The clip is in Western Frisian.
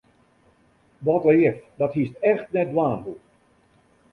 Wat leaf, dat hiest echt net dwaan hoegd.